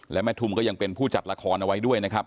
และแม่ทุมก็ยังเป็นผู้จัดละครเอาไว้ด้วยนะครับ